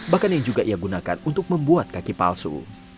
bahkan yang juga ia gunakan untuk membuat kaki palsu